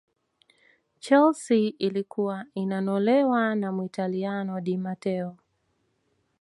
chelsea ilikuwa inanolewa na Muitaliano di mateo